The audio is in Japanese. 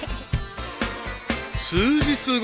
［数日後］